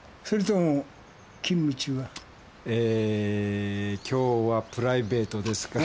えーきょうはプライベートですから。